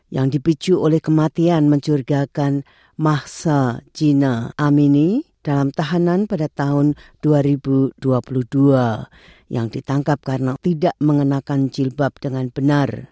yang dipicu oleh kematian menjurgakan mahsa jina amini dalam tahanan pada tahun dua ribu dua puluh dua yang ditangkap karena tidak mengenakan jilbab dengan benar